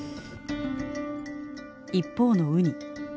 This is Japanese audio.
一方のウニ。